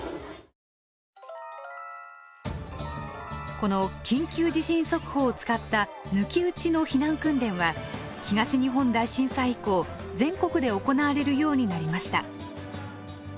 この緊急地震速報を使った抜き打ちの避難訓練は東日本大震災以降全国で行われるようになりました。